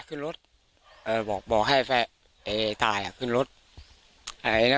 กลับขึ้นรถบอกให้แฟน